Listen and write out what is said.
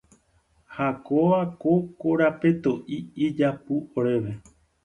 Ha kóva ko karapetoʼi ijapu oréve.